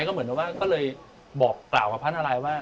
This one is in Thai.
ก็เหมือนกับว่าก็เลยบอกกล่าวกับพระนาลัยว่า